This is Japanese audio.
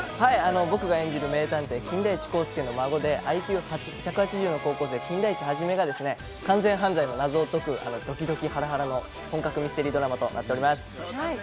僕が演じる名探偵・金田一耕助の孫でＩＱ１８０の高校生・金田一一がですね、完全犯罪の謎を解くドキドキハラハラの本格的ミステリードラマとなっております。